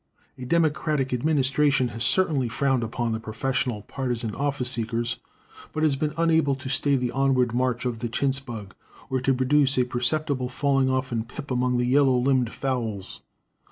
A Democratic administration has certainly frowned upon the professional, partisan office seekers, but it has been unable to stay the onward march of the chintz bug or to produce a perceptible falling off in pip among the yellow limbed fowls.